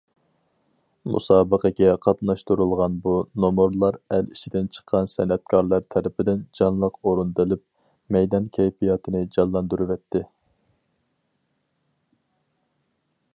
مۇسابىقىگە قاتناشتۇرۇلغان بۇ نومۇرلار ئەل ئىچىدىن چىققان سەنئەتكارلار تەرىپىدىن جانلىق ئورۇندىلىپ، مەيدان كەيپىياتىنى جانلاندۇرۇۋەتتى.